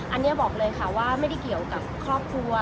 อันนี้บอกเลยค่ะว่าไม่ได้เกี่ยวกับครอบครัว